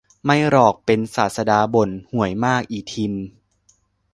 ไม่หรอก เป็นศาสดาบ่น ห่วยมากอีทิม